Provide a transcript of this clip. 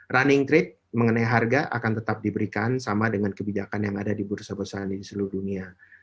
running trade mengenai harga akan tetap diberikan sama dengan kebijakan yang ada di bursa bursa di seluruh dunia